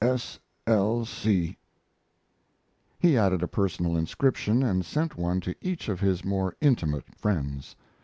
S. L. C. He added a personal inscription, and sent one to each of his more intimate friends.